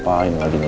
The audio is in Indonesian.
apaan ini telfonnya